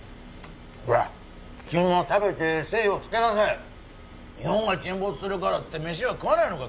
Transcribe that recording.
ほら君も食べて精をつけなさい日本が沈没するからってメシは食わないのか？